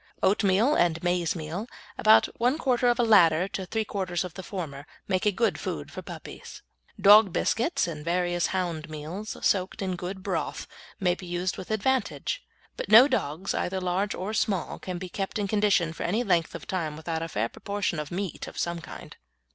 Oatmeal and maizemeal, about one quarter of the latter to three quarters of the former, make a good food for puppies. Dog biscuits and the various hound meals, soaked in good broth, may be used with advantage, but no dogs, either large or small, can be kept in condition for any length of time without a fair proportion of meat of some kind.